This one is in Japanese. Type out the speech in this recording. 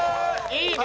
いいね。